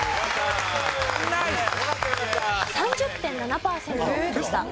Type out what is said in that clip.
ナイス！３０．７パーセントでした。